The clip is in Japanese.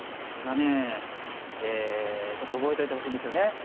これがねえちょっと覚えといてほしいんですよね。